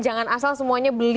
jangan asal semuanya beli